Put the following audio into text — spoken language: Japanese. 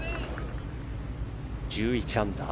１１アンダー。